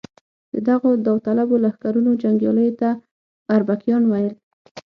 د دغو داوطلبو لښکرونو جنګیالیو ته اربکیان ویل.